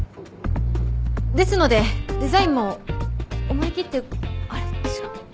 ですのでデザインも思い切ってあれ違う。